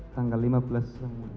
tanggal lima belas juni